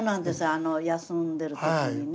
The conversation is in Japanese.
あの休んでる時にね。